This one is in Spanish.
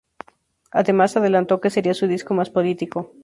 Además adelantó que sería su disco más político.